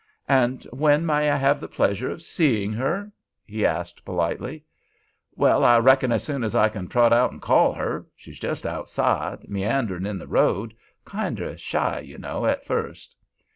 "And when may I have the pleasure of seeing her?" he asked, politely. "Well, I reckon as soon as I can trot out and call her. She's just outside, meanderin' in the road—kinder shy, ye know, at first."